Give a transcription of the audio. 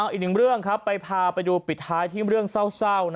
อีกหนึ่งเรื่องครับไปพาไปดูปิดท้ายที่เรื่องเศร้า